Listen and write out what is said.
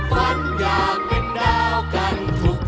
ฝันอยากเป็นดาวกันทุกวัน